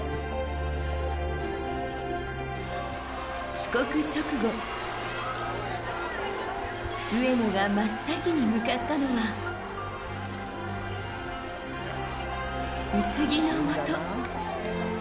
帰国直後、上野が真っ先に向かったのは宇津木のもと。